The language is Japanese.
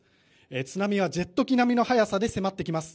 津波はジェット機並みの速さで迫ってきます。